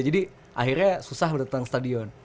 jadi akhirnya susah datang stadion